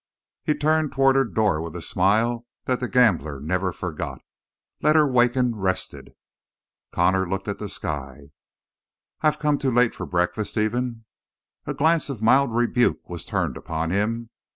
He turned toward her door with a smile that the gambler never forgot. "Let her waken rested." Connor looked at the sky. "I've come too late for breakfast, even?" A glance of mild rebuke was turned upon him.